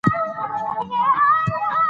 آیا تاسو د ټولنپوهنې په ارزښت پوه شوئ؟